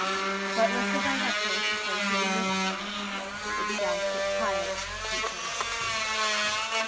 But, little by little, without even noticing it, they began to get tired of each other.